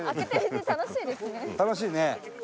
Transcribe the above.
楽しいね。